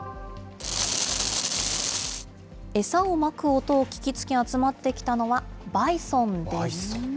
餌をまく音を聞きつけ、集まってきたのはバイソンです。